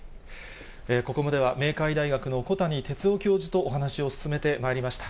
ここまでは明海大学の小谷哲男教授とお話を進めてまいりました。